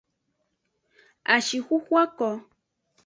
Ashixuxu ako.